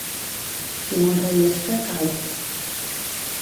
Qui molt rellisca, cau.